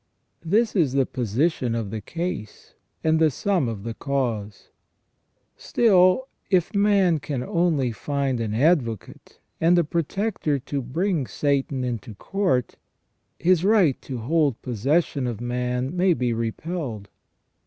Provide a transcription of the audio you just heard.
This is the position of the case, and the sum of the cause. Still, if man can only find an advocate and a protector to bring Satan into court, his right to hold possession of man may be repelled.